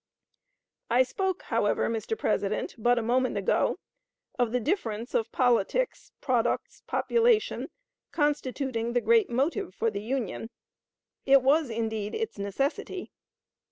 I spoke, however, Mr. President, but a moment ago, of the difference of politics, products, population, constituting the great motive for the Union. It was, indeed, its necessity.